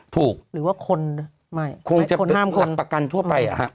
ถูกหรือว่าคนไม่คนห้ามคนคงจะรับประกันทั่วไปอะฮะ